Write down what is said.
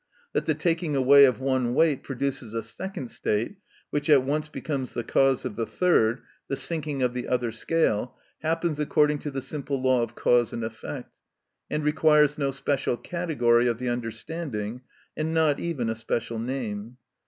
That the taking away of one weight produces a second state, which at once becomes the cause of the third, the sinking of the other scale, happens according to the simple law of cause and effect, and requires no special category of the understanding, and not even a special name.